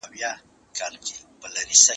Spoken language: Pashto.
دوی چي ول هغه به راسي